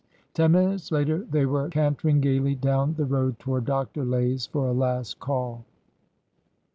Ten minutes later they were cantering gaily down the road toward Dr. Lay's for a last call.